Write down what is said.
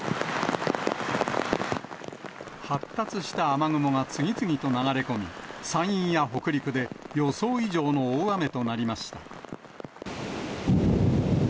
発達した雨雲が次々と流れ込み、山陰や北陸で予想以上の大雨となりました。